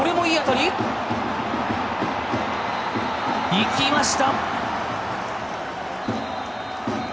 いきました！